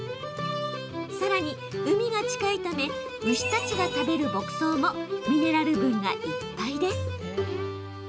さらに、海が近いため牛たちが食べる牧草もミネラル分がいっぱいです。